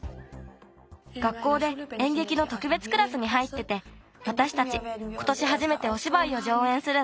学校でえんげきのとくべつクラスに入っててわたしたちことしはじめておしばいをじょうえんするんだ。